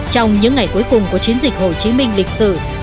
trong những ngày cuối cùng của chiến dịch hồ chí minh lịch sử